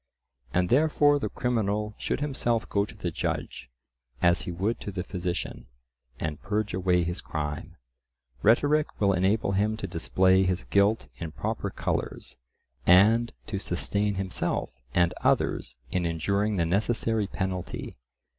And therefore the criminal should himself go to the judge as he would to the physician, and purge away his crime. Rhetoric will enable him to display his guilt in proper colours, and to sustain himself and others in enduring the necessary penalty.